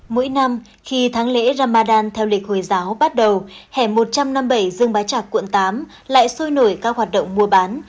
mỗi năm khi tháng lễ ramadan theo lịch hồi giáo bắt đầu hẻm một trăm năm mươi bảy dương bái trạc quận tám lại sôi nổi các hoạt động mua bán